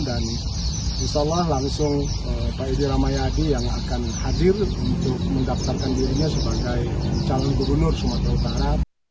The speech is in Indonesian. dan insya allah langsung pak edi rahmayadi yang akan hadir untuk mendaftarkan dirinya sebagai calon gubernur sumatera utara